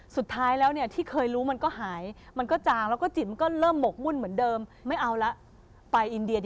สุดท้ายแล้วที่เคยรู้มันก็หาย